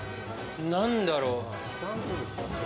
何だろう。